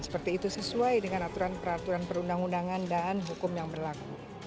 seperti itu sesuai dengan aturan peraturan perundang undangan dan hukum yang berlaku